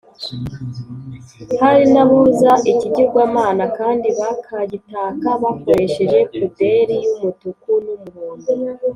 hari n’aboza ikigirwamana kandi bakagitaka bakoresheje puderi y’umutuku n’umuhondo